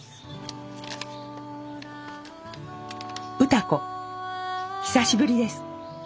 「歌子久しぶりです。